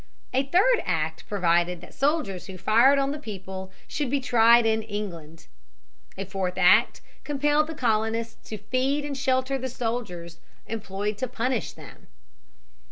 A third act provided that soldiers who fired on the people should be tried in England. And a fourth act compelled the colonists to feed and shelter the soldiers employed to punish them.